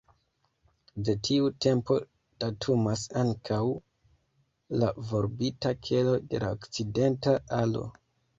De tiu tempo datumas ankaŭ la volbita kelo de la okcidenta alo.